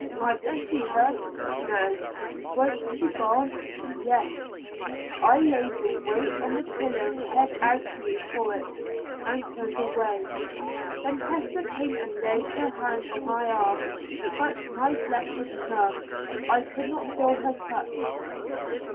Might I see her? No. Was she gone? Yes. I laid the weight on the pillow held out to me for it, and turned away. Then Hester came and laid her hand on my arm, but my flesh was numb. I could not feel her touch.